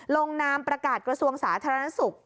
ลงนามประกาศกระทรวงศาสตร์ธรรมนักศึกษ์